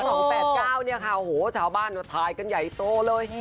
ใช่จึงบอกแล้ว๒๘๙เนี่ยค่ะโอ้โหชาวบ้านมาถ่ายกันใหญ่โตเลย